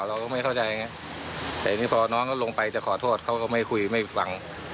เราก็ไม่เข้าใจไงแต่นี่พอน้องเขาลงไปจะขอโทษเขาก็ไม่คุยไม่ฟัง